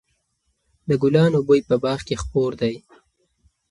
د ګلانو بوی په باغ کې خپور دی.